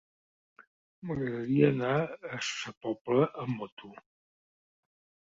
M'agradaria anar a Sa Pobla amb moto.